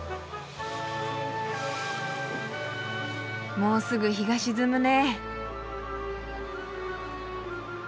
もうすぐ日が沈むね。